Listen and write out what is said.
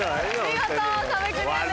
見事壁クリアです。